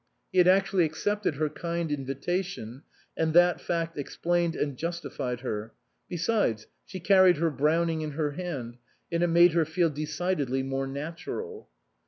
He had actually accepted her kind invi tation, and that fact explained and justified her ; besides, she carried her Browning in her hand, and it made her feel decidedly more natural.